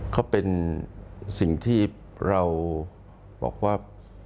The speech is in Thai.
เขาเป็นสิ่งที่เราบอกว่า